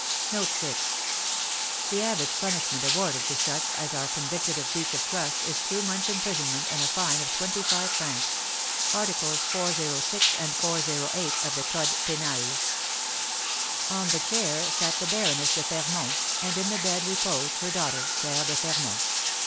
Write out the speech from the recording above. "The average punishment awarded to such as are convicted of breach of trust is two months' imprisonment and a fine of twenty five francs." Art. 406 and 408 of the "Code Penal." On the chair sat the Baroness de Fermont, and in the bed reposed her daughter, Claire de Fermont.